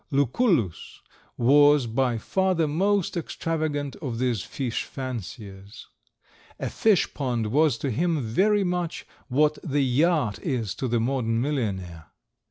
Lucullus was by far the most extravagant of these fish fanciers. A fish pond was to him very much what the yacht is to the modern millionaire.